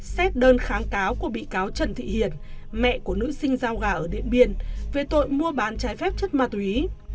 xét đơn kháng cáo của bị cáo trần thị hiền mẹ của nữ sinh giao gà ở điện biên về tội mua bán trái phép chất ma túy